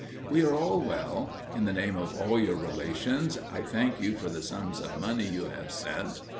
"We are all well. In the name of all your relations, I thank you for the sums of money you have sent.